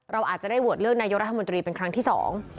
เราอาจจะได้โหวตเลือกนายกรัฐมนตรีเป็นครั้งที่สอง